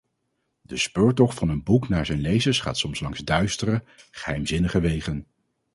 De speurtocht van een boek naar zijn lezers gaat soms langs duistere, geheimzinnige wegen.